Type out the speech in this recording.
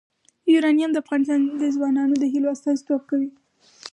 یورانیم د افغان ځوانانو د هیلو استازیتوب کوي.